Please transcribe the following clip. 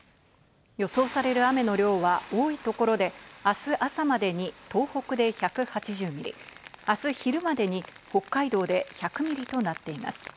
予想される雨の量は多いところで明日は朝までに東北で１８０ミリ、明日昼までに北海道で１００ミリとなっています。